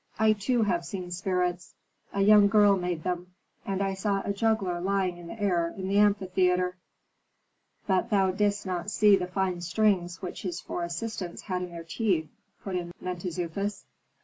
"I, too, have seen spirits: a young girl made them. And I saw a juggler lying in the air in the amphitheatre." "But thou didst not see the fine strings which his four assistants had in their teeth," put in Mentezufis.